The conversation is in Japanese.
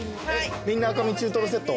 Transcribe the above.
みんな赤身中トロセット？